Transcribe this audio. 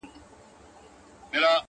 نيمه شپه يې د كور مخي ته غوغا سوه -